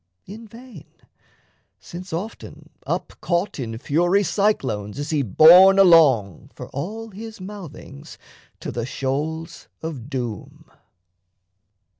in vain, since, often up caught In fury cyclones, is he borne along, For all his mouthings, to the shoals of doom.